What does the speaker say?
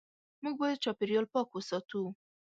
موږ باید چاپېریال پاک وساتو.